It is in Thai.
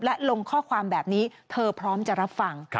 และลงข้อความแบบนี้เธอพร้อมจะรับฟัง